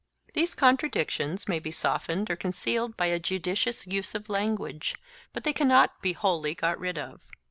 These contradictions may be softened or concealed by a judicious use of language, but they cannot be wholly got rid of.